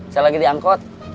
saya lagi diangkut